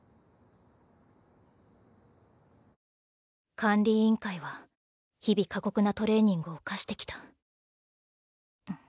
管理委員会は日々過酷なトレーニングを課してきた。